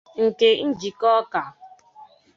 nke Njikọka